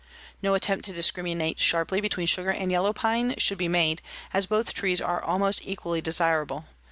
"No attempt to discriminate sharply between sugar and yellow pine should be made, as both trees are almost equally desirable.